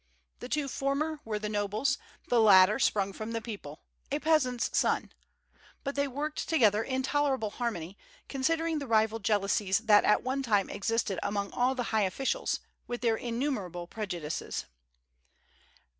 The two former were nobles; the latter sprung from the people, a peasant's son; but they worked together in tolerable harmony, considering the rival jealousies that at one time existed among all the high officials, with their innumerable prejudices.